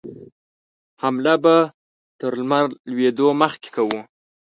حمله به تر لمر لوېدو مخکې کوو.